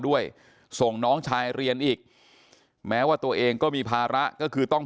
ด้วยส่งน้องชายเรียนอีกแม้ว่าตัวเองก็มีภาระก็คือต้อง